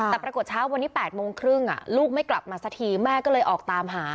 แต่ปรากฏเช้าวันนี้๘โมงครึ่งลูกไม่กลับมาสักทีแม่ก็เลยออกตามหา